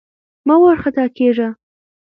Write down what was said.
مه وارخطا کېږه!